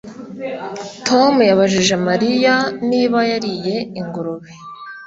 Tom yabajije Mariya niba yariye ingurube